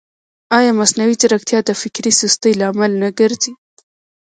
ایا مصنوعي ځیرکتیا د فکري سستۍ لامل نه ګرځي؟